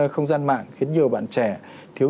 không gian mạng khiến nhiều bạn trẻ thiếu